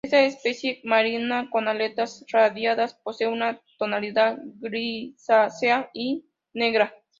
Esta especie marina con aletas radiadas posee una tonalidad grisácea y negra.